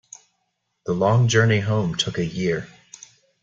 The long journey home took a year.